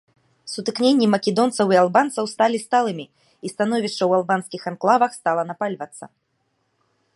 Сутыкненні македонцаў і албанцаў сталі сталымі, і становішча ў албанскіх анклавах стала напальвацца.